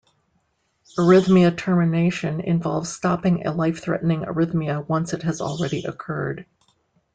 Arrhythmia termination involves stopping a life-threatening arrhythmia once it has already occurred.